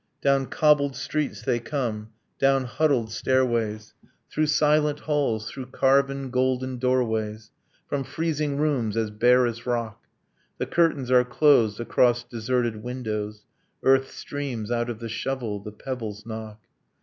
Down cobbled streets they come; down huddled stairways; Through silent halls; through carven golden doorways; From freezing rooms as bare as rock. The curtains are closed across deserted windows. Earth streams out of the shovel; the pebbles knock.